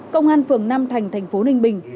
công an phường nam thành thành phố ninh bình